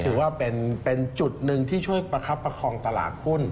ถือว่าเป็นจุดหนึ่งที่ช่วยประคับประคองตลาดหุ้น